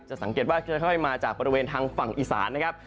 สังเกตว่าค่อยมาจากบริเวณทางฝั่งอีสานนะครับ